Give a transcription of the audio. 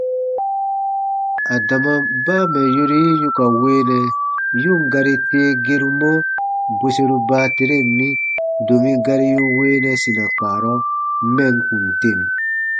Adama baa mɛ̀ yori yi yu ka weenɛ, yu ǹ gari tee gerumɔ bweseru baateren mi, domi gari yu weenɛ sina kpaarɔ mɛm kùn tem.